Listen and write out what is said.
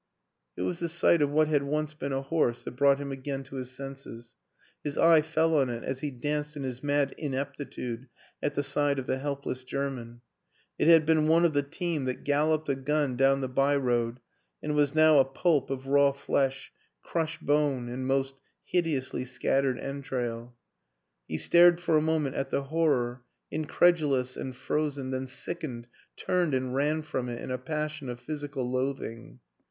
It was the sight of what had once been a horse that brought him again to his senses. His eye fell on it as he danced in his mad ineptitude at the side of the helpless German; it had been one of the team that galloped a gun down the by road and was now a pulp of raw flesh, crushed bone, and most hideously scattered entrail. He stared 132 WILLIAM AN ENGLISHMAN for a moment at the horror, incredulous and frozen then sickened, turned and ran from it in a passion of physical loathing.